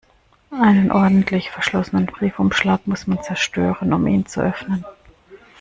Einen ordentlich verschlossenen Briefumschlag muss man zerstören, um ihn zu öffnen.